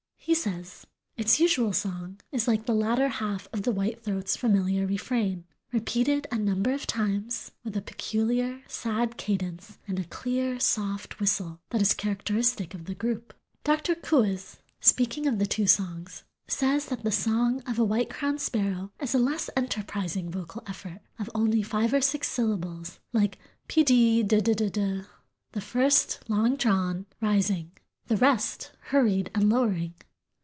He says: "Its usual song is like the latter half of the white throat's familiar refrain, repeated a number of times with a peculiar, sad cadence and a clear, soft whistle that is characteristic of the group." Dr. Coues, speaking of the two songs, says that the song of the White crowned Sparrow is "a less enterprising vocal effort, of only five or six syllables, like pee, dee, de, de, de, the two first long drawn, rising, the rest hurried and lowering."